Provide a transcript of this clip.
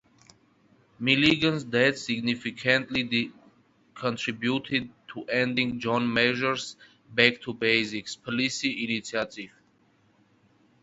Milligan's death significantly contributed to ending John Major's "Back to Basics" policy initiative.